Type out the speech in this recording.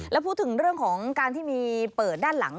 แล้วพูดถึงเรื่องของการที่มีเปิดด้านหลัง